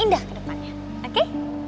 indah kedepannya oke